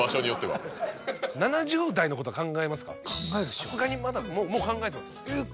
さすがにまだもう考えてます？